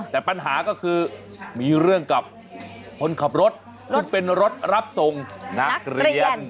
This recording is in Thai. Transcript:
แต่ปัญหาก็คือมีเรื่องกับคนขับรถซึ่งเป็นรถรับส่งนักเรียน